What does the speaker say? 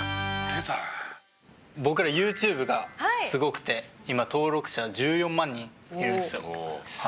僕らＹｏｕＴｕｂｅがすごくて今登録者１４万人いるんですよ。